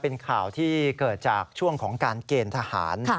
เป็นข่าวที่เกิดจากช่วงของการเกณฑ์ทหาร